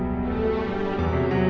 aku mau bantuin